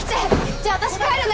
じゃあ私帰るね。